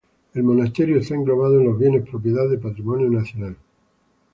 El monasterio está englobado en los bienes propiedad de Patrimonio Nacional.